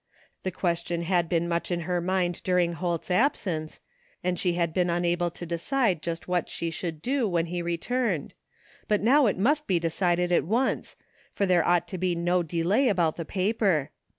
The question had been much in her mind during Holt's absence, and she had been unable to decide just what she should do when he returned, but now it must be decided at once, for there ought to be no delay about the paper.